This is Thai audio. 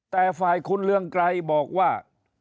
แต่ฝ่ายคุณเรืองไกรบอกว่า